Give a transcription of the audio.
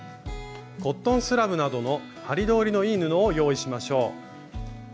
コットンスラブなどの針通りのいい布を用意しましょう。